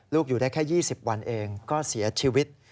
อยู่ได้แค่๒๐วันเองก็เสียชีวิต